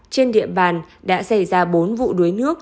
trên địa bàn đã xảy ra bốn vụ đuối nước